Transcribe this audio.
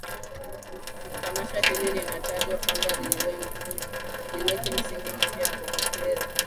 Tamasha hili linatajwa kwamba liliweka misingi mipya ya Bongo Fleva